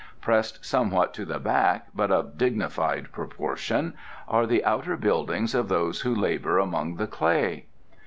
Pressed somewhat to the back, but of dignified proportion, are the outer buildings of those who labour among the clay."